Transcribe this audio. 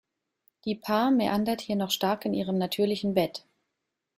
Die Paar mäandert hier noch stark in ihrem natürlichen Bett.